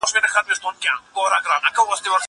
زه پرون د تکړښت لپاره ولاړم.